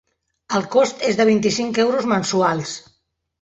El cost és de vint-i-cinc euros mensuals.